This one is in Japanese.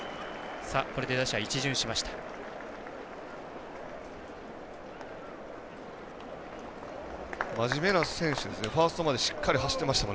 これで打者一巡しました。